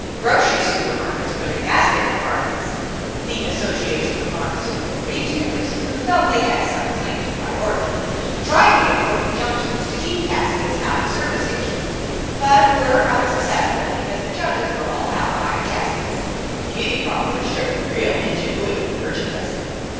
Grocery supermarkets put in casket departments. The Association of Pharmaceutical Retailers, who felt they had some claim to priority, tried to get court injunctions to keep caskets out of service stations, but were unsuccessful because the judges were all out buying caskets. Beauty parlors showed real ingenuity in merchandising.